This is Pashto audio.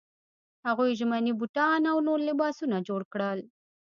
هغوی ژمني بوټان او نور لباسونه جوړ کړل.